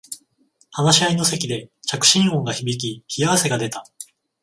話し合いの席で着信音が響き冷や汗が出た